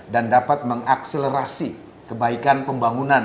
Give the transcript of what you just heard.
dan dapat mengakselerasi kebaikan pembangunan